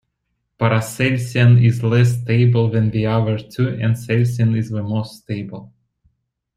Paracelsian is less stable than the other two and celsian is the most stable.